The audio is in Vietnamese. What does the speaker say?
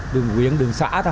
đường quyển đường xã thôi